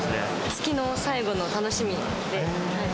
月の最後の楽しみで。